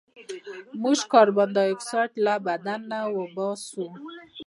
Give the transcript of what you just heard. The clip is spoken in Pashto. موږ کاربن ډای اکسایډ له بدن وباسو